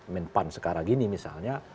men pan sekarang ini misalnya